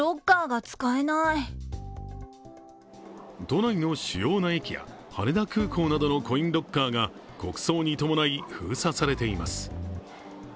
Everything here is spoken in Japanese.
都内の主要な駅や、羽田空港などのコインロッカーが国葬に伴い、封鎖されています。